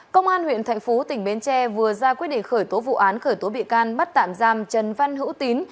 công an huyện thạnh phú tỉnh bến tre vừa ra quyết định khởi tố vụ án khởi tố bị can bắt tạm giam trần văn hữu tín